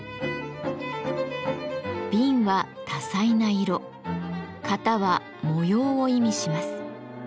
「紅」は多彩な色「型」は模様を意味します。